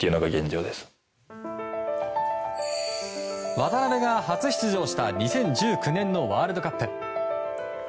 渡邊が初出場した２０１９年のワールドカップ。